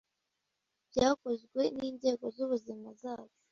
bwakozwe n'inzego z'ubuzima zacu